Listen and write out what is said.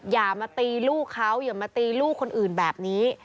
อย่ามาตีลูกเขาอย่ามาตีลูกคนอื่นแบบนี้